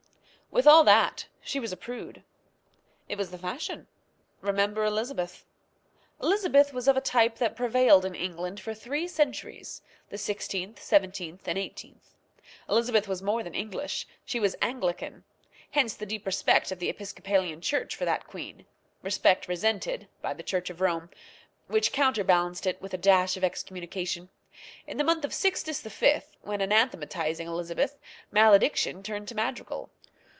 With all that she was a prude. It was the fashion. Remember Elizabeth. Elizabeth was of a type that prevailed in England for three centuries the sixteenth, seventeenth, and eighteenth. Elizabeth was more than English she was Anglican. Hence the deep respect of the Episcopalian Church for that queen respect resented by the Church of Rome, which counterbalanced it with a dash of excommunication. In the mouth of Sixtus V., when anathematizing Elizabeth, malediction turned to madrigal.